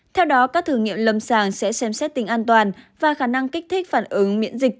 theo đó các thử nghiệm lâm sàng sẽ xem xét tính an toàn và khả năng kích thích phản ứng miễn dịch